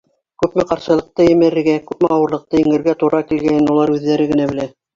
Күпме ҡаршылыҡты емерергә, күпме ауырлыҡты еңергә тура килгәнен улар үҙҙәре генә белә.